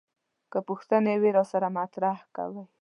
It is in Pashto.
که پوښتنې وي راسره مطرح کوي.